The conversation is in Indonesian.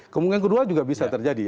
kemungkinan kedua juga bisa terjadi